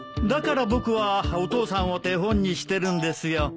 だから僕はお父さんを手本にしてるんですよ。